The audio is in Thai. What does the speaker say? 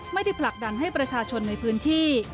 ผลักดันให้ประชาชนในพื้นที่